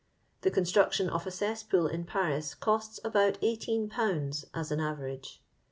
The construction of a cesspool in Paris costs about 18/. as an average.